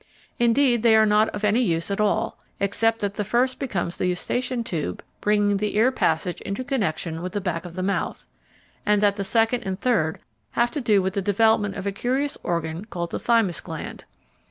Indeed, they are not of any use at all, except that the first becomes the Eustachian tube bringing the ear passage into connection with the back of the mouth, and that the second and third have to do with the development of a curious organ called the thymus gland.